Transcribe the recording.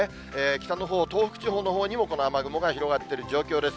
北のほう、東北地方のほうにもこの雨雲が広がっている状況です。